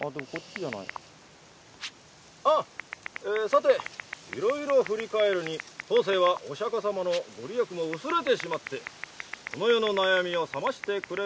「さていろいろ振り返るに当世はお釈様のご利益も薄れてしまってこの世の悩みを覚ましてくれるような人もおらぬ」。